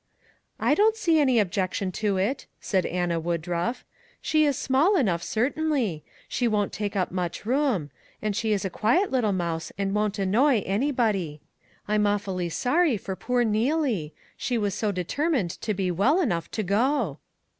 " I don't see any objection to it," said Anna Woodruff ;" she is small enough, certainly ; she won't take up much room; and she is a quiet little mouse and won't annoy anybody. I'm awfully sorry for poor Neelie; she was so determined to be well enough to go."